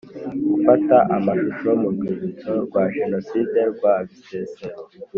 gufata amashusho mu rwibutso rwa Jenoside rwa Bisesero